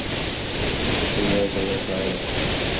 Ichimda yashagan shoirim…